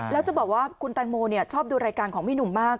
แล้วจะบอกว่าคุณแตงโมชอบดูรายการของพี่หนุ่มมาก